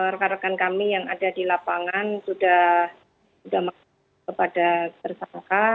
rekan rekan kami yang ada di lapangan sudah masuk kepada tersangka